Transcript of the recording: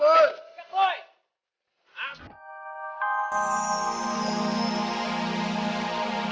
udah ke cabang ya cepat